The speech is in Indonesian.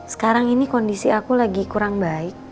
sekarang ini kondisi aku lagi kurang baik